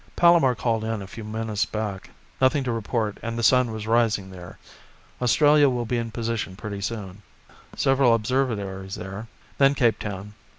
"Palomar called in a few minutes back. Nothing to report and the sun was rising there. Australia will be in position pretty soon. Several observatories there. Then Capetown.